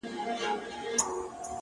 ستا خو جانانه د رڼا خبر په لـپـه كي وي _